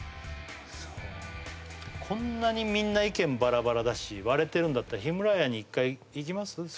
そうこんなにみんな意見バラバラだし割れてるんだったらヒムラヤに一回行きます？